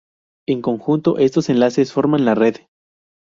En conjunto, estos enlaces forman la red.